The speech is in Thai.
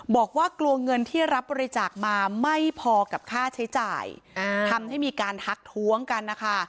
บอกว่ากลัวเงินที่รับบริจาคมาไม่พอกับค่าใช้จ่ายทำให้มีการทักท้วงกันนะคะ